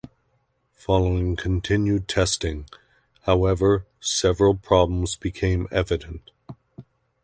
Following continued testing, however, several problems became evident.